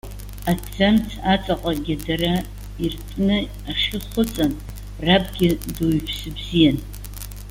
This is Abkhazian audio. Аҭӡамц аҵаҟагьы дара иртәны ахьы хәыҵан, рабгьы дуаҩԥсы бзиан.